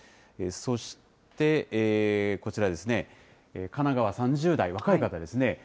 そしてこちらですね、神奈川３０代、若い方ですね。